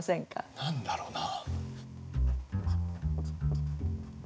何だろうな。